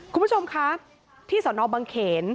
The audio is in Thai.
คุณผู้ชมครับที่สวนอบบางเขน